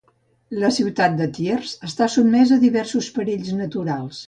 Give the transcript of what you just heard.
La ciutat de Thiers està sotmesa a diversos perills naturals.